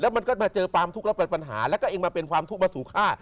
มันก็มาเจอความทุกข์แล้วเป็นปัญหาแล้วก็เองมาเป็นความทุกข์มาสู่ข้า